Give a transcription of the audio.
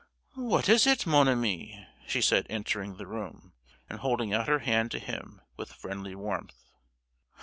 "What is it, mon ami?" she said, entering the room, and holding out her hand to him with friendly warmth.